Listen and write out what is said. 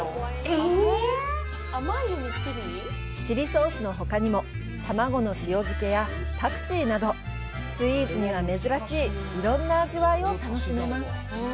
チリソースのほかにも卵の塩漬けやパクチーなど、スイーツには珍しいいろんな味わいを楽しめます。